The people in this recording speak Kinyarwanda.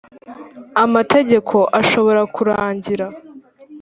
Amategeko ashobora kurangi.